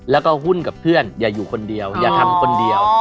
แล้วก็หุ้นกับเพื่อนอย่าอยู่คนเดียวอย่าทำคนเดียว